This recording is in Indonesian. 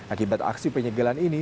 akibat aksi penyegelan ini